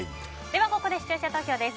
ここで視聴者投票です。